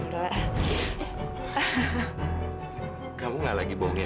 sekarang ke pantas